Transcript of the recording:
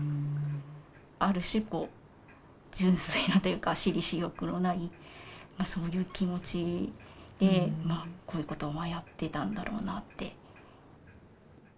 ある種純粋なというか私利私欲のないそういう気持ちでこういうことをやっていたんだろうなって。